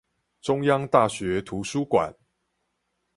中央大學圖書館